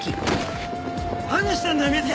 何してんだよ美月！